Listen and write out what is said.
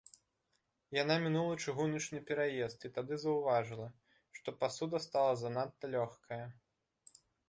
Яна мінула чыгуначны пераезд і тады заўважыла, што пасуда стала занадта лёгкая.